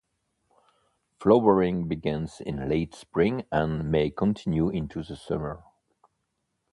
Flowering begins in late spring and may continue into the summer.